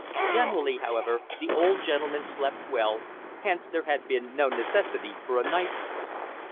Generally, however, the old gentleman slept well, hence there had been no necessity for a night nurse.